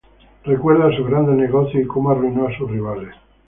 Recuerda sus grandes negocios y cómo arruinó a sus rivales.